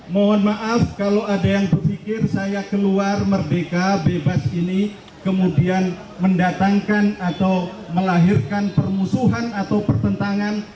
mohon maaf kalau ada yang berpikir saya keluar merdeka bebas ini kemudian mendatangkan atau melahirkan permusuhan atau pertentangan